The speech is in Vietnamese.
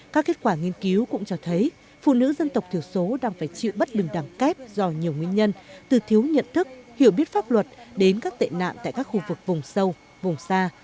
các kết quả nghiên cứu cũng cho thấy phụ nữ dân tộc thiểu số đang phải chịu bất đường đẳng kép do nhiều nguyên nhân từ thiếu nhận thức hiểu biết pháp luật đến các tệ nạn tại các khu vực vùng sâu vùng xa